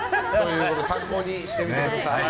参考にしてみてください。